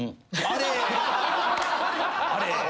あれ。